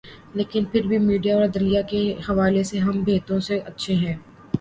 لیکن پھر بھی میڈیا اور عدلیہ کے حوالے سے ہم بہتوں سے اچھے ہیں۔